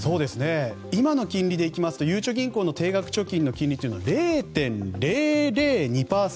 今の金利でいきますとゆうちょ銀行の定額貯金の金利は０．００２％。